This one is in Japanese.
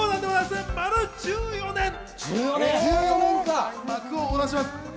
丸１４年、幕を下ろします。